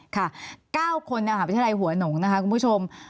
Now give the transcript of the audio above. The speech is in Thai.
๙คนในมหาวิทยาลัยหัวหนงนะคะคุณผู้ชม